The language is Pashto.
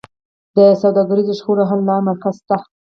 د سوداګریزو شخړو حل مرکز شته؟